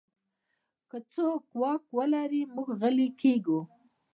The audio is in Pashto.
که څوک واک ولري، موږ غلی کېږو.